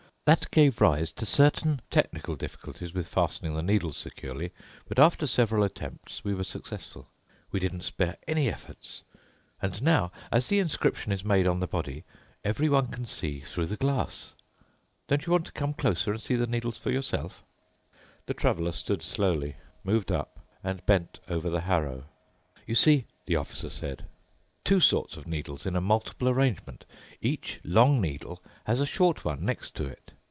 That gave rise to certain technical difficulties with fastening the needles securely, but after several attempts we were successful. We didn't spare any efforts. And now, as the inscription is made on the body, everyone can see through the glass. Don't you want to come closer and see the needles for yourself." The Traveler stood slowly, moved up, and bent over the harrow. "You see," the Officer said, "two sorts of needles in a multiple arrangement. Each long needle has a short one next to it.